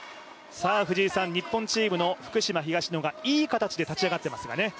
日本チームの福島・東野がいい形で立ち上がってますがね。